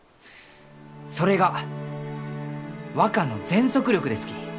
それが若の全速力ですき。